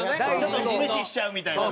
無視しちゃうみたいなね。